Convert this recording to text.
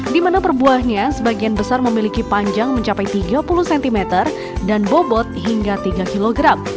di mana per buahnya sebagian besar memiliki panjang mencapai tiga puluh cm dan bobot hingga tiga kg